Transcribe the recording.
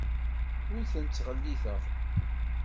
Ur ten-ttɣelliteɣ.